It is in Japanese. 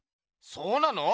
そうなの？